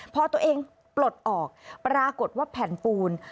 พอตัวเองปลดออกปรากฏว่าแผ่นปูน